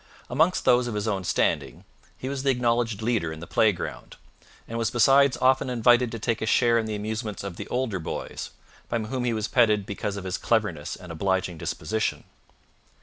Amongst those of his own standing he was the acknowledged leader in the playground, and was besides often invited to take a share in the amusements of the older boys, by whom he was petted because of his cleverness and obliging disposition.